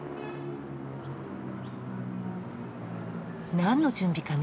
なんの準備かな？